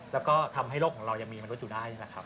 และก็ทำให้โรคของเรายังมีมันรวดอยู่ได้